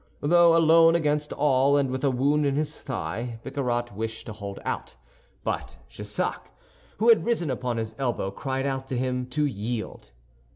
Though alone against all and with a wound in his thigh, Bicarat wished to hold out; but Jussac, who had risen upon his elbow, cried out to him to yield.